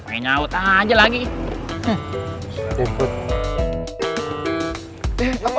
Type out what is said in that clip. ng infantil banget sih ini aux